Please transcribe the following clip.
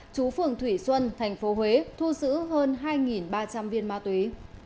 chú phường thủy xuân tp huế thu giữ hơn hai ba trăm linh viên ma túy